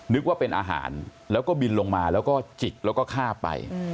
นึกว่าเป็นอาหารแล้วก็บินลงมาแล้วก็จิกแล้วก็ฆ่าไป